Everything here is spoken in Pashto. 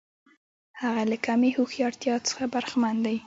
هغه له کمې هوښیارتیا څخه برخمن دی.